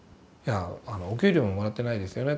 「お給料ももらってないですよね」